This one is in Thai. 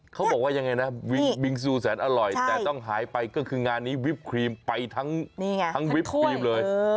เขาบอกว่ายังไงนะบิงซูแสนอร่อยแต่ต้องหายไปก็คืองานนี้วิปครีมไปทั้งวิปครีมเลย